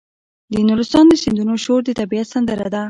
د نورستان د سیندونو شور د طبیعت سندره ده.